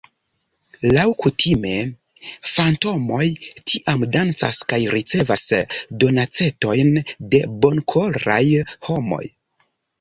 Laŭkutime fantomoj tiam dancas kaj ricevas donacetojn de bonkoraj homoj.